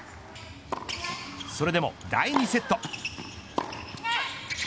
それでも第２セット。